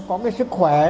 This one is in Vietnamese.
nó có cái sức khỏe